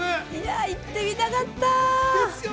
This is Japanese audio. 行ってみたかった！